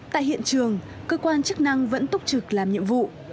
tại hiện trường cơ quan chức năng vẫn túc trực làm nhiệm vụ